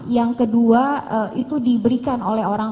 yang kedua itu diberikan oleh orang